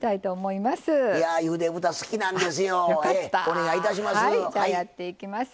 お願いいたします。